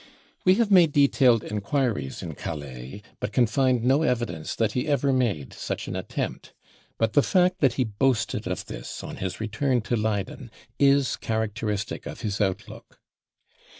We have * made detailed enquiries in Calais, but can find no evidence that he ever made such an attempt. But the fact that he boasted of this on his return to Leyden is characteristic of his outlook.